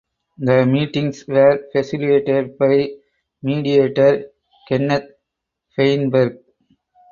The meetings were facilitated by mediator Kenneth Feinberg.